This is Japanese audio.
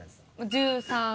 １３。